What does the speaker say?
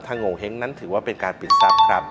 โงเห้งนั้นถือว่าเป็นการปิดทรัพย์ครับ